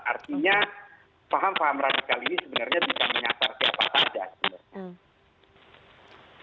artinya paham paham radikal ini sebenarnya tidak menyasar siapa saja sebenarnya